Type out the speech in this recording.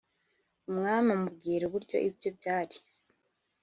Umwami amubwira uburyo ibye byari